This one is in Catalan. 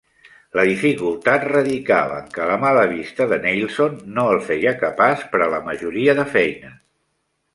La dificultat radicava en què la mala vista de Neilson no el feia capaç per a la majoria de feines.